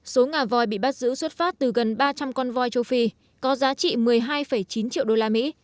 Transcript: số ngả vòi bị bắt giữ xuất phát từ gần ba trăm linh con vòi châu phi có giá trị một mươi hai chín triệu đô la mỹ